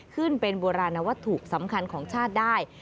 ขึ้นเป็นโบราณวัตถุสำคัญของชาติได้